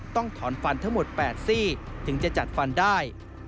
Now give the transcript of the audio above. ต้องถอนฟันทั้งหมด๘ซี่ถึงจะจัดฟันได้